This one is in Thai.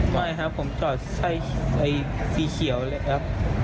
ไม่ครับผมจอดสีเขียวเลยครับ